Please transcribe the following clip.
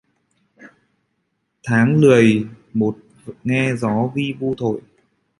Tháng nười một nghe gió vi vu thổi